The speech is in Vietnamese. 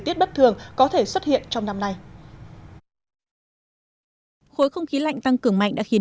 tiết bất thường có thể xuất hiện trong năm nay khối không khí lạnh tăng cường mạnh đã khiến